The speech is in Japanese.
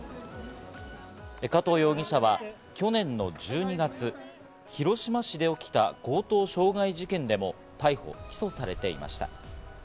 加藤容疑者は去年の１２月、広島市で起きた強盗傷害事件でも逮捕・起訴されていました。